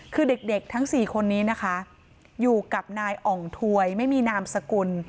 คือเด็กทั้ง๔คนนี้นะคะอยู่กับนายอ่องถวยไม่มีนามสกุล